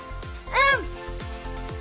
うん！